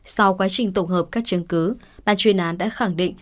sau quá trình tổng hợp các chứng cứ bàn chuyên án đã khẳng định